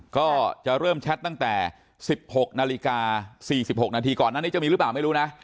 ก็จะเริ่มแชทตั้งแต่๑๖นาฬิกา๔๖นาทีก่อนหน้านี้จะมีหรือเปล่าไม่รู้นะ